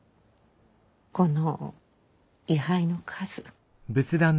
この位はいの数。